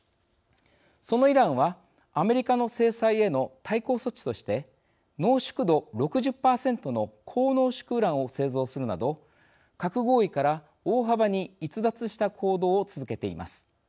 そのイランはアメリカの制裁への対抗措置として濃縮度６０％の高濃縮ウランを製造するなど核合意から大幅に逸脱した行動を続けています。